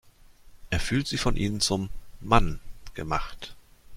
Er fühlt sich von ihnen zum „Mann“ gemacht.